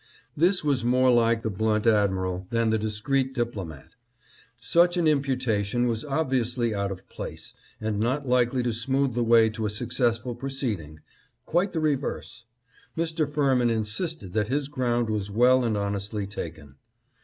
This was more like the blunt admiral than the discreet diplomat. Such an imputation was obviously out of place, and not likely to smooth the way to a successful proceeding; quite the reverse. Mr. Firmin insisted that his ground was well and honestly taken.